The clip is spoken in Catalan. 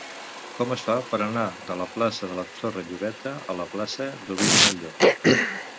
Com es fa per anar de la plaça de la Torre Llobeta a la plaça d'Ovidi Montllor?